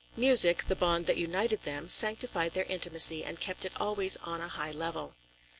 Music, the bond that united them, sanctified their intimacy and kept it always on a high level.